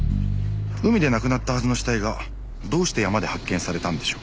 海で亡くなったはずの死体がどうして山で発見されたんでしょう？